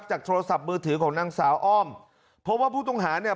โทรศัพท์มือถือของนางสาวอ้อมเพราะว่าผู้ต้องหาเนี่ย